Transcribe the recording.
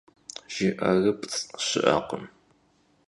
Jjı'erıpts' şı'ekhım.